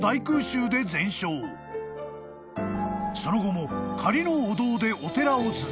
［その後も］